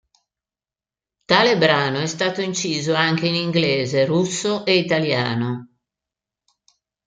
Tale brano è stato inciso anche in inglese, russo e italiano.